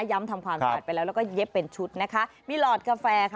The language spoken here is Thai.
ทำความสะอาดไปแล้วแล้วก็เย็บเป็นชุดนะคะมีหลอดกาแฟค่ะ